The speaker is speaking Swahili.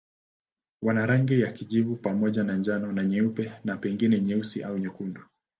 Wana rangi ya kijivu pamoja na njano na nyeupe na pengine nyeusi au nyekundu.